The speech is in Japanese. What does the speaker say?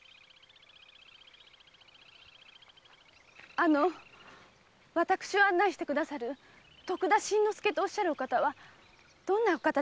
あの私を案内してくださる徳田新之助とおっしゃるお方はどんなお方でしょうか？